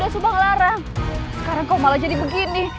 sekarang kau malah jadi begini